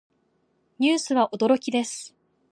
ニュースは驚きです。